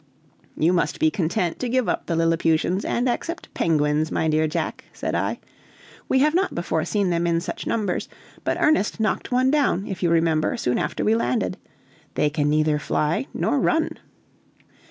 "You must be content to give up the Lilliputians and accept penguins, my dear Jack," said I. "We have not before seen them in such numbers, but Ernest knocked one down, if you remember, soon after we landed. They can neither fly nor run."